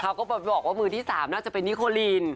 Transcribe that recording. ก็บอกว่ามือที่๓น่าจะเป็นนิโคลีน